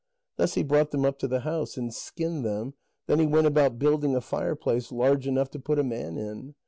Thus he brought them up to the house, and skinned them; then he set about building a fireplace large enough to put a man in.